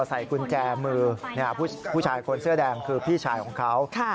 ใส่กุญแจมือผู้ชายคนเสื้อแดงคือพี่ชายของเขา